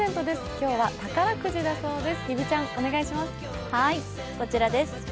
今日は宝くじだそうです。